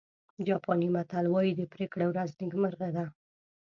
جاپاني متل وایي د پرېکړې ورځ نیکمرغه ده.